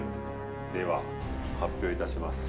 では発表致します。